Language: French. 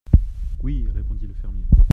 Oui, répondit le fermier.